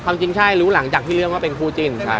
ความจริงใช่รู้หลังจากที่เรื่องว่าเป็นผู้จินใช่